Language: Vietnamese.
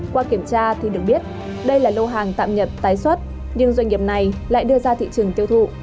qua kiểm tra thì được biết đây là lô hàng tạm nhập tái xuất nhưng doanh nghiệp này lại đưa ra thị trường tiêu thụ